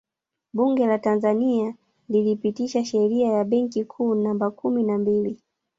Bunge la Tanzania lilipitisha Sheria ya Benki Kuu Namba kumi na mbili